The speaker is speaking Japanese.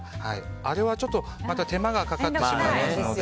あれはちょっと手間がかかってしまいますので。